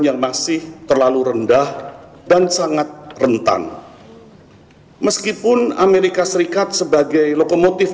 yang masih terlalu rendah dan sangat rentan meskipun amerika serikat sebagai lokomotif